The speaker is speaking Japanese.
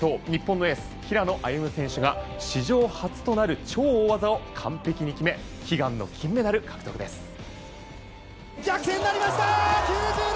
日本代表の平野歩夢選手が史上初となる超大技を完璧に決め悲願の金メダル獲得です。